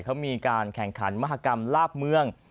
เขามีการแข่งขันมหากรรมลาบเมือง